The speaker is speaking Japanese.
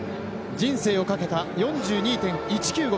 人生をかけた４２．１９５